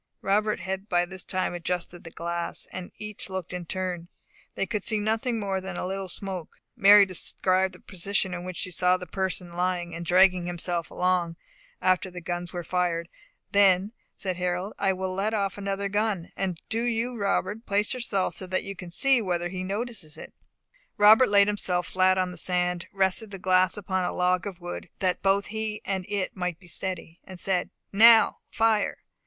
Robert had by this time adjusted the glass, and each looked in turn. They could see nothing more than a little smoke. Mary described the position in which she saw the person lying, and dragging himself along, after the guns were fired. "Then," said Harold, "I will let off another gun; and do you, Robert, place yourself so that you can see whether he notices it." Robert laid himself flat on the sand, rested the glass upon a log of wood, that both he and it might be steady, and said, "Now fire!"